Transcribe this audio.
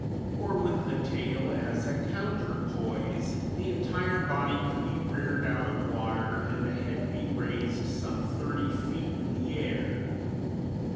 Or, with the tail as a counterpoise, the entire body could be reared out of water and the head be raised some thirty feet in the air.